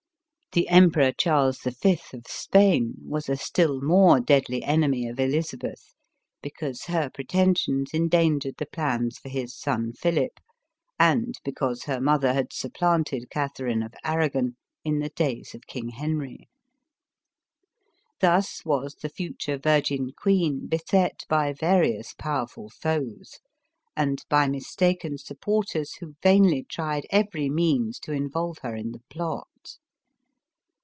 The emperor Charles V., of Spain, was a still more deadly enemy of Elizabeth, because her pre tensions endangered the plans for his son Philip, and because her mother had supplanted Catherine of Arra gon, in the days of King Henry. Thus was the future Virgin Queen beset by various powerful foes, and by mistaken supporters who vainly tried every means to involve her in the plot.